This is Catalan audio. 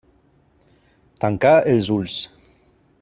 Tancà els ulls.